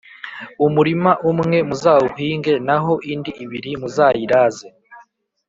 umurima umwe muzawuhinge naho indi ibiri muzayiraze.